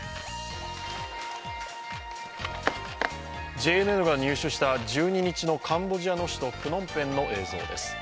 ＪＮＮが入手した１２日のカンボジアの首都プノンペンの映像です。